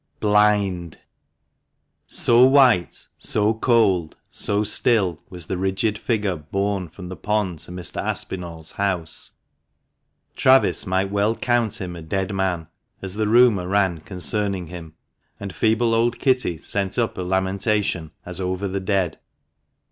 BLIND ! O white, so cold, so still was the rigid figure borne fr°m the pond to Mr. Aspinall's house, Travis might well count him "a dead man," as the rumour ran concerning him, and feeble old Kitty sent up a lamentation as over the dead.